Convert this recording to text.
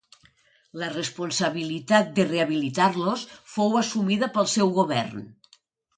La responsabilitat de rehabilitar-los fou assumida pel seu govern.